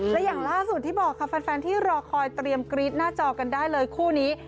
และอย่างล่าสุดที่บอกค่ะแฟนที่รอคอยเตรียมกรี๊ดหน้าจอกันได้เลยคู่นี้